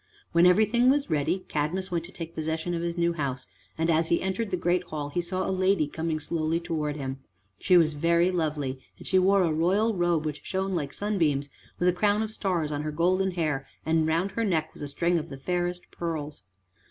When everything was ready, Cadmus went to take possession of his new house, and, as he entered the great hall, he saw a lady coming slowly towards him. She was very lovely and she wore a royal robe which shone like sunbeams, with a crown of stars on her golden hair, and round her neck was a string of the fairest pearls.